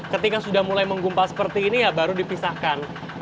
ketika sudah mulai menggumpal seperti ini ya baru dipisahkan